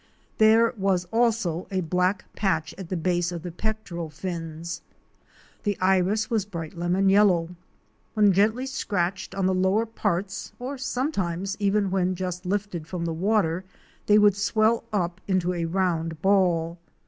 There was also a black patch at the base of the pectoral fins. The iris was bright lemon yellow. When gently scratched on the lower parts, or sometimes even when just lifted from the water they would swell up into a round ball.